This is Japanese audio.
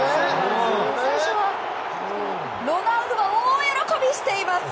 ロナウドは大喜びしています。